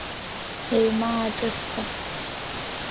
Еимааҿышәҭа.